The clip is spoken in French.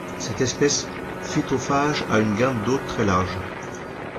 Cette espèce phytophage a une gamme d'hôtes très large.